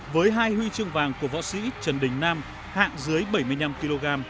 với hai huy chương vàng của võ sĩ trần đình nam hạng dưới bảy mươi năm kg